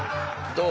どう？